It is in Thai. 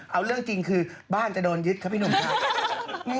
เอาเรื่องจริงคือบ้านจะโดนยึดครับพี่หนุ่มครับ